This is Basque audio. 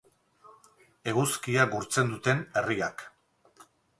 Eguzkia gurtzen duten herriak.